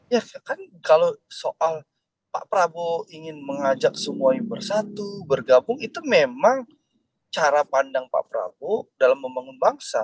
ya kan kalau soal pak prabowo ingin mengajak semuanya bersatu bergabung itu memang cara pandang pak prabowo dalam membangun bangsa